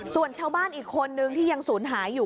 ส่วนชาวบ้านอีกคนนึงที่ยังศูนย์หายอยู่